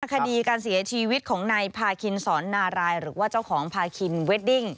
คดีการเสียชีวิตของนายพาคินสอนนารายหรือว่าเจ้าของพาคินเวดดิ้ง